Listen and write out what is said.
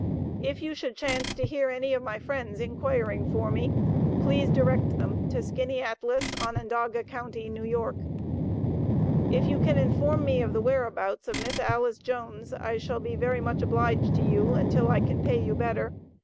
If you should chance to hear any of my friends inquiring for me, please direct them to Skaneateles, Onondaga county, N.Y. If you can inform me of the whereabouts of Miss Alice Jones I shall be very much obliged to you, until I can pay you better.